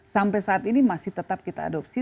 sampai saat ini masih tetap kita adopsi